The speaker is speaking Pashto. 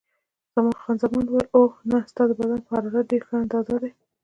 خان زمان وویل: اوه، نه، ستا د بدن حرارت په ډېره ښه اندازه دی.